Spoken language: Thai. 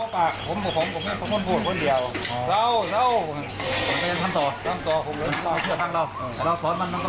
พอกับผมผมควรคนเดียวเราเราทำต่อทำต่อของเรา